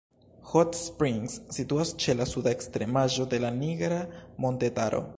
Hot Springs situas ĉe la suda ekstremaĵo de la Nigra montetaro.